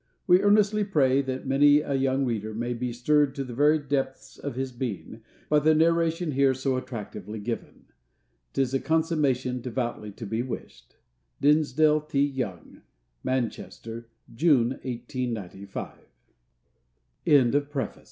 We earnestly pray, that many a young reader may be stirred to the very depths of his being, by the narration here so attractively given. "'Tis a consummation devoutly to be wished." DINSDALE T. YOUNG. Manchester, June, 1895. CONTENTS. Chapter Page I. 1 II. 6 III. 10 IV. 13 V.